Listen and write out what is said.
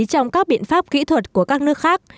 trong các biện pháp kỹ thuật của các nước khác